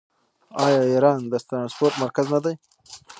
آیا ایران د ټرانسپورټ مرکز نه دی؟